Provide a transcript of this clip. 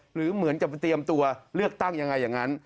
หรือเหมือนกับเตรียมตัวเลือกตั้งยังไงอย่างนั้น